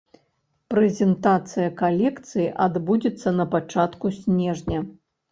Прэзентацыя калекцыі адбудзецца на пачатку снежня.